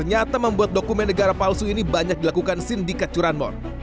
ternyata membuat dokumen negara palsu ini banyak dilakukan sindikat curanmor